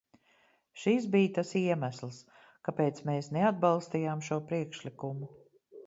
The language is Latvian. Šis bija tas iemesls, kāpēc mēs neatbalstījām šo priekšlikumu.